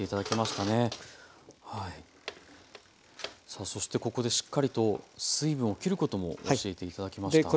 さあそしてここでしっかりと水分をきることも教えて頂きました。